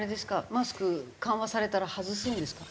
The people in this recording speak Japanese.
マスク緩和されたら外すんですか？